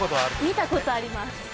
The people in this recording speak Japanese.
見たことあります。